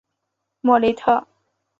莫雷特。